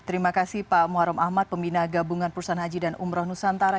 terima kasih pak muharrem ahmad pembina gabungan perusahaan haji dan umroh nusantara